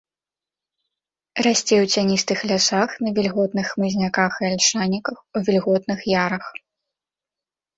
Расце ў цяністых лясах, на вільготных хмызняках і альшаніках, у вільготных ярах.